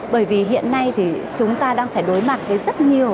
bởi vì hiện nay thì chúng ta đang phải đối mặt với rất nhiều